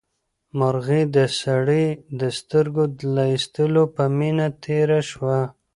مرغۍ د سړي د سترګې له ایستلو په مینه تېره شوه.